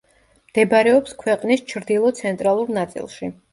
მდებარეობს ქვეყნის ჩრდილო-ცენტრალურ ნაწილში.